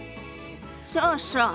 そうそう。